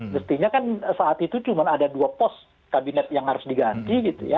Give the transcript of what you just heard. mestinya kan saat itu cuma ada dua pos kabinet yang harus diganti gitu ya